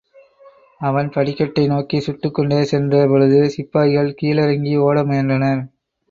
அவன் படிக்கட்டை நோக்கிச் சுட்டுக் கொண்டே சென்ற பொழுது சிப்பாய்கள் கீழிறங்கி ஓட முயன்றனர்.